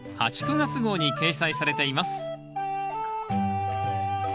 ９月号に掲載されています